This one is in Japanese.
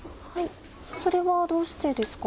それはどうしてですか？